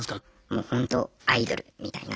もうほんとアイドルみたいな。